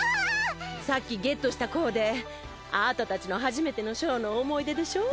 さっきゲットしたコーデあたたちの初めてのショーの思い出でしょ？